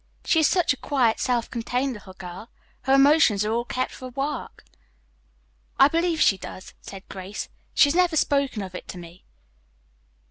She is such a quiet, self contained little girl. Her emotions are all kept for her work." "I believe she does," said Grace. "She has never spoken of it to me.